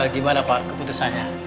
gimana pak keputusannya